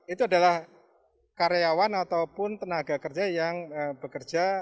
itu adalah karyawan ataupun tenaga kerja yang bekerja